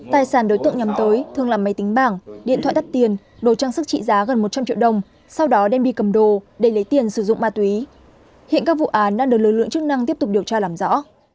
tài sản đối tượng nhắm tới thường là máy tính bảng điện thoại đắt tiền đồ trang sức trị giá gần một trăm linh triệu đồng sau đó đem đi cầm đồ để lấy tiền sử dụng ma túy hiện các vụ án đang được lực lượng chức năng tiếp tục điều tra làm rõ